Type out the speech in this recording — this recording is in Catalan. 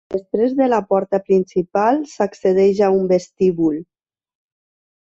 Després de la porta principal s'accedeix a un vestíbul.